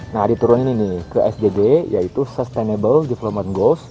nah diturunin ini ke sdgj yaitu sustainable development goals